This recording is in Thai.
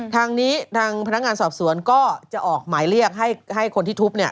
ทางนี้ทางพนักงานสอบสวนก็จะออกหมายเรียกให้คนที่ทุบ